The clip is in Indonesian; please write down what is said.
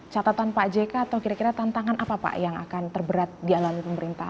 catatan pak jk atau kira kira tantangan apa pak yang akan terberat dialami pemerintah